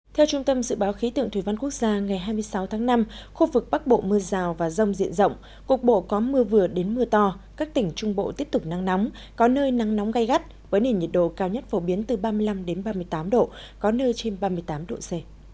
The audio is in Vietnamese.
theo trung tâm dự báo khí tượng thủy văn quốc gia ngày hai mươi sáu tháng năm khu vực bắc bộ mưa rào và rông diện rộng cục bộ có mưa vừa đến mưa to các tỉnh trung bộ tiếp tục nắng nóng có nơi nắng nóng gai gắt với nền nhiệt độ cao nhất phổ biến từ ba mươi năm ba mươi tám độ có nơi trên ba mươi tám độ c